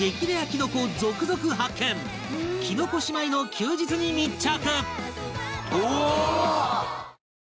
きのこ姉妹の休日に密着